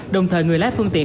đồng thời người lái phương tiện